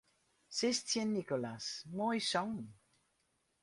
Sis tsjin Nicolas: Moai songen.